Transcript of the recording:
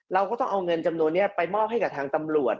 เราก็ต้องเอาเงินจำนวนนี้ไปมอบให้กับทางตำรวจ